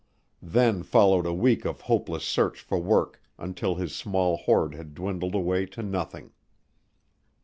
Then followed a week of hopeless search for work until his small hoard had dwindled away to nothing.